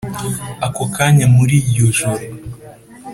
Ako kanya muri iryo joro